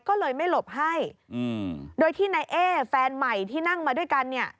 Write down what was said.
ก็เลยไม่หลบให้โดยที่นายเอ๊แฟนใหม่ที่นั่งมาด้วยกันเนี่ย